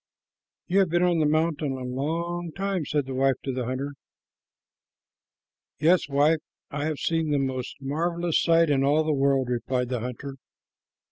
"You have been on the mountain a long time," said the wife of the hunter. "Yes, wife, and I have seen the most marvelous sight in all the world," replied the hunter.